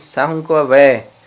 sáng hôm qua về